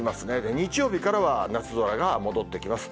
日曜日からは夏空が戻ってきます。